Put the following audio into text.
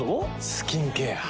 スキンケア。